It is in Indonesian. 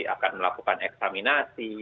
akan melakukan eksaminasi